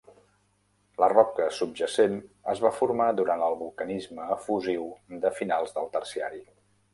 La roca subjacent es va formar durant el vulcanisme efusiu de finals del Terciari.